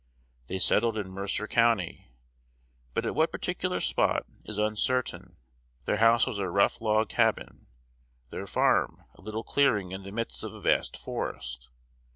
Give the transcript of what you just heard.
They settled in Mercer County, but at what particular spot is uncertain. Their house was a rough log cabin, their farm a little clearing in the midst of a vast forest.